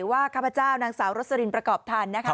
ว่าข้าพเจ้านางสาวโรสลินประกอบธันตร์